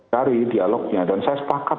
cari dialognya dan saya sepakat